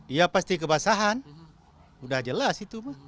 iya pasti kebasahan udah jelas itu mah